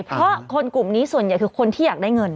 เพราะคนกลุ่มนี้ส่วนใหญ่คือคนที่อยากได้เงิน